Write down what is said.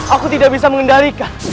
aku tidak bisa mengendalikan